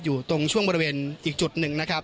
อยู่ตรงช่วงบริเวณอีกจุดหนึ่งนะครับ